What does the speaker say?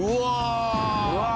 うわ！